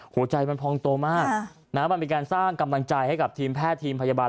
หัวใจมันพองโตมากมันเป็นการสร้างกำลังใจให้กับทีมแพทย์ทีมพยาบาล